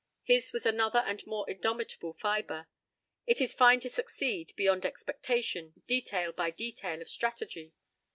His was another and more indomitable fiber. It is fine to succeed, beyond expectation, detail by detail of strategy.